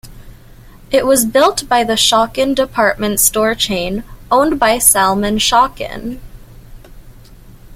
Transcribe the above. It was built by the Schocken department store chain owned by Salman Schocken.